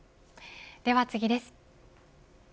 では次です。